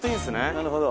なるほど。